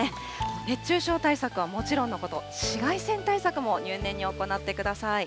熱中症対策はもちろんのこと、紫外線対策も入念に行ってください。